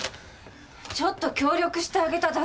ちょっと協力してあげただけよ。